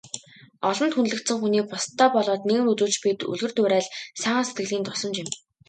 Олонд хүндлэгдсэн хүний бусдадаа болоод нийгэмд үзүүлж буй үлгэр дуурайл, сайхан сэтгэлийн тусламж юм.